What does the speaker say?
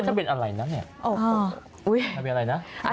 ถ้าเป็นอะไรนะเนี่ย